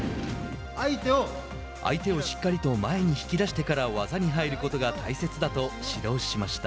相手をしっかりと前に引き出してから技に入ることが大切だと指導しました。